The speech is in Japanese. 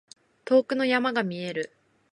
遠くの山が見える。